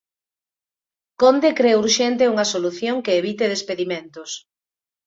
Conde cre urxente unha solución que evite despedimentos.